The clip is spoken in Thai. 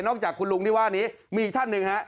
จากคุณลุงที่ว่านี้มีอีกท่านหนึ่งฮะ